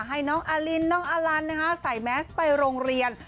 ให้น้องอลินน้องอลันใส่แมสไปโรงเรียน